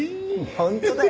本当だよ。